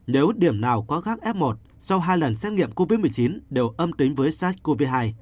nếu điểm nào có gác f một sau hai lần xét nghiệm covid một mươi chín đều âm tính với sars cov hai